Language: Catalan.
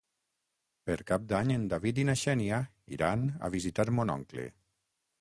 Per Cap d'Any en David i na Xènia iran a visitar mon oncle.